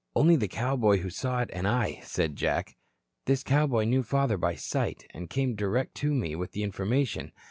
"Only the cowboy who saw it and I," said Jack. "This cowboy knew father by sight, and came direct to me with the information.